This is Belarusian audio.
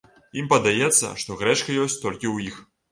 Ім падаецца, што грэчка ёсць толькі ў іх.